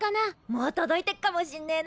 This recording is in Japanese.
もう届いてっかもしんねえな。